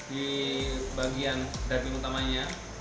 di bagian daging utamanya